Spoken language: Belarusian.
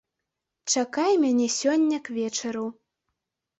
Чакай мяне сёння к вечару.